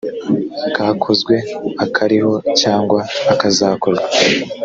kakozwe akariho cyangwa akazakorwa